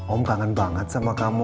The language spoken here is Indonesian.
om kangen banget sama kamu